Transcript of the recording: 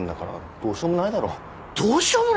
どうしようもない！？